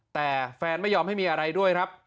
แต่แฟนไม่ยอมให้มีอะไรด้วยครับ